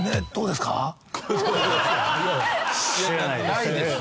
ないです。